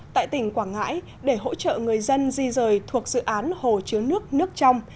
tại tỉnh quảng ngãi để hỗ trợ người dân di rời thuộc dự án hồ chứa nước nước trong